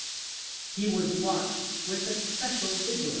f He was watched with especial vigilance * R.